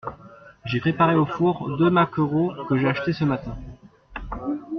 J’ai préparé au four deux maquereaux que j’ai achetés ce matin.